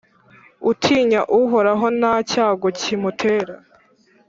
Utinya Uhoraho, nta cyago kimutera,